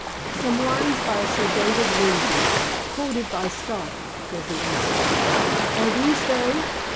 "Some lines by Sir David Lindsay, quoted by Scott," was the answer. "Are these they?"